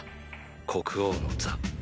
国王の座。